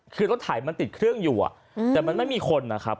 คือรถไถมันติดเครื่องอยู่แต่มันไม่มีคนนะครับ